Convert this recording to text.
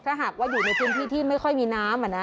ถ้าหากว่าอยู่ในพื้นที่ที่ไม่ค่อยมีน้ำ